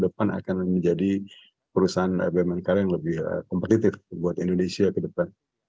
dan perusahaan karya ini ke depan akan menjadi perusahaan bumn karya yang lebih kompetitif buat indonesia ke depan